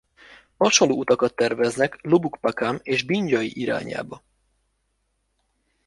Hasonló utakat terveznek Lubuk Pakam és Binjai irányába.